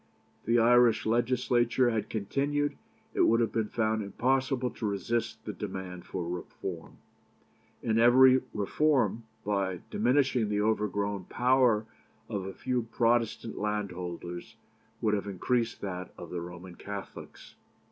If the Irish Legislature had continued, it would have been found impossible to resist the demand for reform; and every reform, by diminishing the overgrown power of a few Protestant landholders, would have increased that of the Roman Catholics.